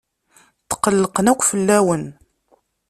Tqellqen akk fell-awen.